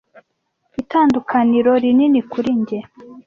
Itandukaniro rinini kuri njye.